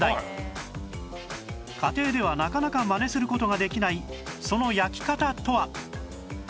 家庭ではなかなかマネする事ができないその焼き方とは？